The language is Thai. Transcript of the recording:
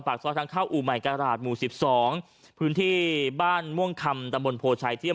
ปากศรทางเข้าอุไมโกระดูรหมู่สิบสองพื้นที่บ้านม่วงคำตำลบลโภชัย่ังเที่ยม